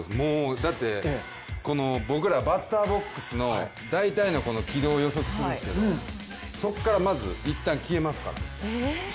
だって、僕らバッターボックスの大体の軌道を予測するんですけどそこからまずいったん消えますから。